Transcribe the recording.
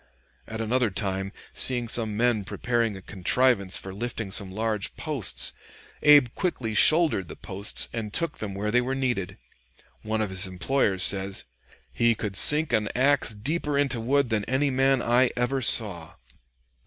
At another time, seeing some men preparing a contrivance for lifting some large posts, Abe quickly shouldered the posts and took them where they were needed. One of his employers says, "He could sink an axe deeper into wood than any man I ever saw."